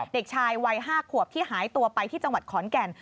เด็กชายวัย๕ขวบที่หายตัวไปที่จังหวัดขอนแก่น